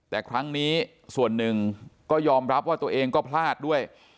แต่ครั้งนี้ส่วนหนึ่งก็ยอมรับว่าตัวเองก็พลาดด้วย